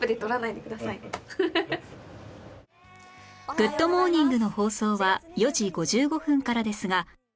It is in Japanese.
『グッド！モーニング』の放送は４時５５分からですが